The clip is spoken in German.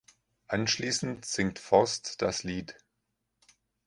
Anschließend singt Forst das Lied.